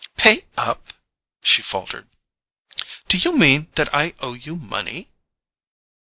"Pay up?" she faltered. "Do you mean that I owe you money?"